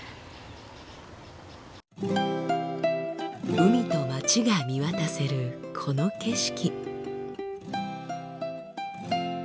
海と街が見渡せるこの景色。